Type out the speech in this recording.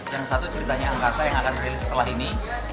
yang satu ceritanya angkasa yang akan rilis setelah ini